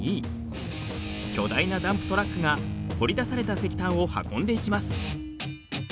巨大なダンプトラックが掘り出された石炭を運んでいきます。